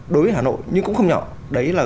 đối với hà nội nhưng cũng không nhỏ đấy là